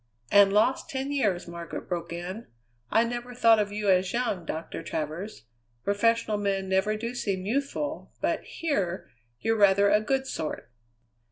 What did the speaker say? "And lost ten years," Margaret broke in. "I never thought of you as young, Doctor Travers; professional men never do seem youthful; but here you're rather a good sort."